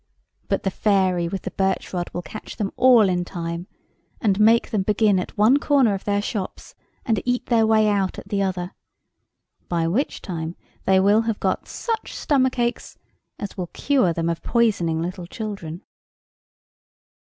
But the Fairy with the birch rod will catch them all in time, and make them begin at one corner of their shops, and eat their way out at the other: by which time they will have got such stomach aches as will cure them of poisoning little children.